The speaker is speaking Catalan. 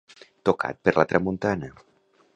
Tocat per la tramuntana.